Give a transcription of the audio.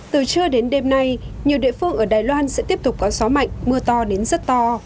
từ trưa đến đêm nay nhiều địa phương ở đài loan sẽ tiếp tục có gió mạnh mưa to đến rất to